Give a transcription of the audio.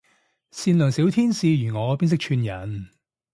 善良小天使如我邊識串人